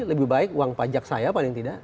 lebih baik uang pajak saya paling tidak